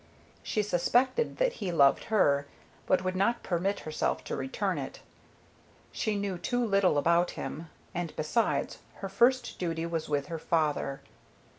She suspected that he loved her, but would not permit herself to return it. She knew too little about him, and, besides, her first duty was with her father.